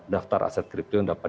daftar aset kripto yang dapat